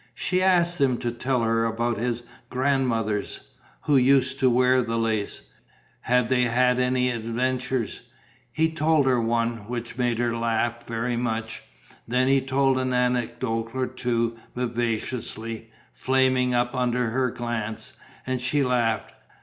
She asked him to tell her about his grandmothers, who used to wear the lace: had they had any adventures? He told her one, which made her laugh very much; then he told an anecdote or two, vivaciously, flaming up under her glance, and she laughed.